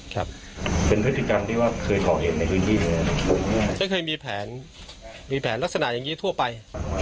ก็เคยมีแผนรักษณะอย่างงี้ทั่วไป